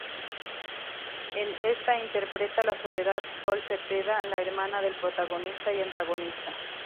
En esta interpreta a Soledad "Sol" Cepeda, la hermana del protagonista y antagonista.